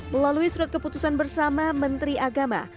melalui surat keputusan bersama menteri agama